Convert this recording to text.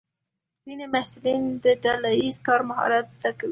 ځینې محصلین د ډله ییز کار مهارت زده کوي.